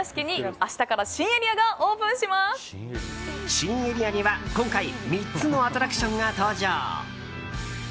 新エリアには今回３つのアトラクションが登場。